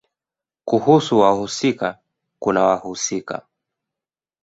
Kuhusu wahusika kuna wahusika